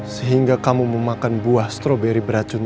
sehingga kamu memakan buah stroberi beracun